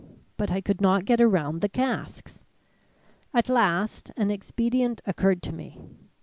But I could not get around the casks. At last an expedient occurred to me.